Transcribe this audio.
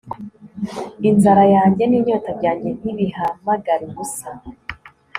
Inzara yanjye ninyota byanjye ntibihamagare ubusa